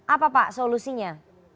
apa pak solusinya